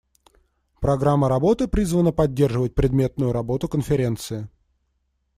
Программа работы призвана поддерживать предметную работу Конференции.